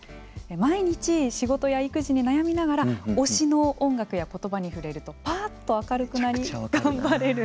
毎日、仕事や育児に悩みながら推しの音楽やことばに触れるとぱあっと明るくなり頑張れる。